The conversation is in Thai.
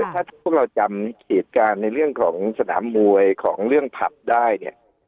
ถ้าพวกเราจำเหตุการณ์ในเรื่องของสนามมวยของเรื่องผับได้เนี่ย